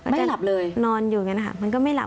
มันจะนอนอยู่อย่างนั้นแล้วมันก็ไม่หลับ